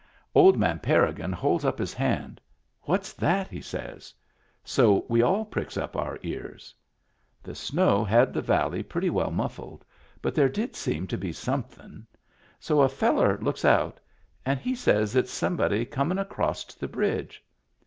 Old man Parrigin holds up his hand. " What's that ?" he says. So we all pricks up our ears. The snow had the valley pretty well muffled, but there did seem to be somethin*. So a fellar looks out and he says it's somebody comin' acrost the bridge.